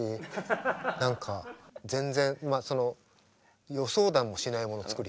何か全然その予想だもしないものを作りそう。